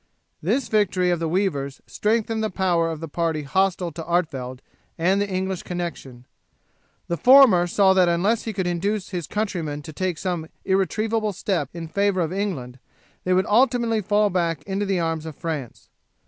This victory of the weavers strengthened the power of the party hostile to Artevelde and the English connection; and the former saw that unless he could induce his countrymen to take some irretrievable step in favour of England they would ultimately fall back into the arms of France.